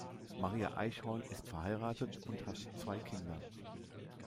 Maria Eichhorn ist verheiratet und hat zwei Kinder.